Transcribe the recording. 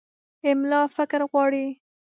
املا فکر غواړي.